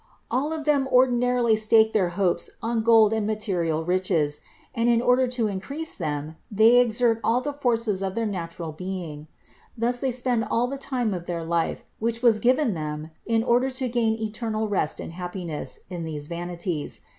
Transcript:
All of them ordinarily stake their hopes on gold and material riches; and in order to increase them, they exert all the forces of their natural being. Thus they spend all the time of their life, which was given them in order to gain eternal rest and happi ness, in these vanities.